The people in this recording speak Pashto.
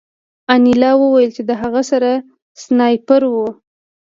انیلا وویل چې د هغه سره سنایپر و